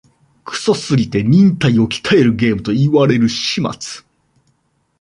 クソすぎて忍耐を鍛えるゲームと言われる始末